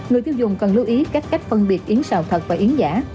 người tiêu dùng cần lưu ý các cách phân biệt yến xào thật và yến giả